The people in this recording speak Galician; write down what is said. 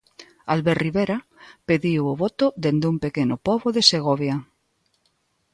Albert Rivera pediu o voto dende un pequeno pobo de Segovia.